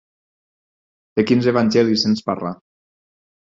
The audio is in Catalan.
De quins evangelis ens parla?